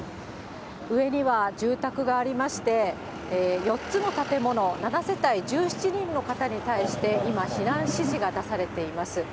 上には住宅がありまして、４つの建物、７世帯１７人の方に対して、今、避難指示が出されています。